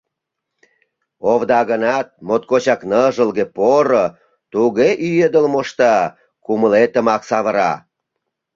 Овда гынат, моткочак ныжылге, поро, туге ӱедыл мошта — кумылетымак савыра.